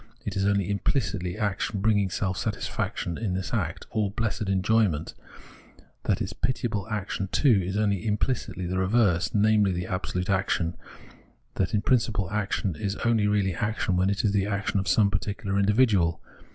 is only implicitly action bring ing self satisfaction in its act, or blessed enjoyment ; that its pitiable action too is only imflicitly the reverse, namely, absolute action; that in principle action is only really action when it is the action of some particular individual.